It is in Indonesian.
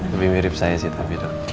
lebih mirip saya sih tapi